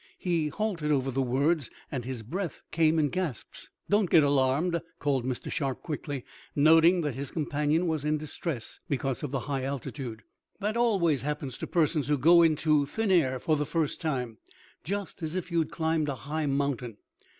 He halted over the works, and his breath came in gasps. "Don't get alarmed," called Mr. Sharp quickly, noting that his companion was in distress because of the high altitude. "That always happens to persons who go into a thin air for the first time; just as if you had climbed a high mountain.